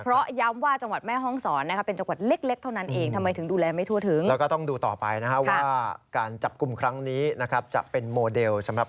แล้วก็เป็นห่วงเรื่องเทียร์๓เลยนะครับ